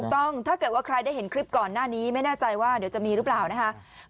ถ้าเกิดว่าใครได้เห็นคลิปก่อนหน้านี้ไม่แน่ใจว่าเดี๋ยวจะมีหรือเปล่านะครับ